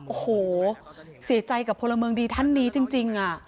โอ้โหเสียใจกับพลเมืองดีท่านนี้จริง